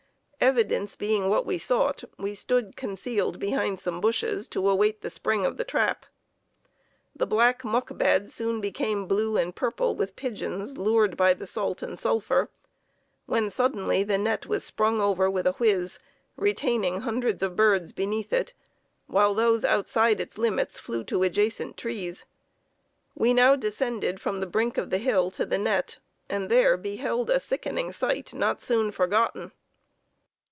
Evidence being what we sought, we stood concealed behind some bushes to await the spring of the trap. The black muck bed soon became blue and purple with pigeons lured by the salt and sulphur, when suddenly the net was sprung over with a "whiz," retaining hundreds of birds beneath it, while those outside its limits flew to adjacent trees. We now descended from the brink of the hill to the net, and there beheld a sickening sight not soon forgotten.